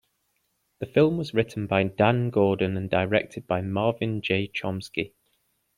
The film was written by Dan Gordon and directed by Marvin J. Chomsky.